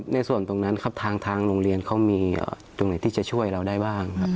ในส่วนตรงนั้นครับทางโรงเรียนเขามีตรงไหนที่จะช่วยเราได้บ้างครับ